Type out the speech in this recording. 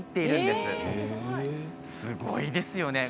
すごいですよね。